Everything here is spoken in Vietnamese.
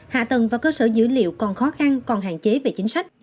hạ tầng và cơ sở dữ liệu còn khó khăn còn hạn chế về chính sách